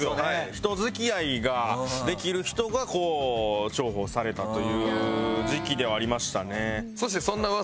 人付き合いができる人が重宝されたという時期ではありましたね。